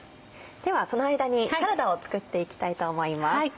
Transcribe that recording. ではその間にサラダを作っていきたいと思います。